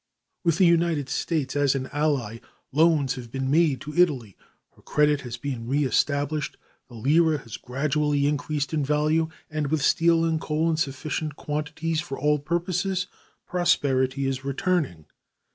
With the United States as an ally, loans have been made to Italy, her credit has been re established, the lira has gradually increased in value, and with steel and coal in sufficient quantities for all purposes, prosperity is returning.